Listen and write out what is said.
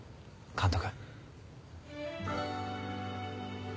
監督。